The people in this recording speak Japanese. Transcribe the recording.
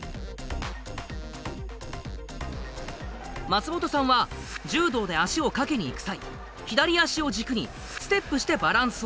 松本さんは柔道で足を掛けにいく際左足を軸にステップしてバランスをとる。